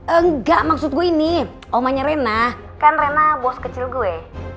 enggak maksudku ini omanya rena kan rena bos kecil gue